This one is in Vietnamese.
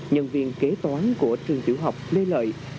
nhân viên kế toán của trường tiểu học lê lợi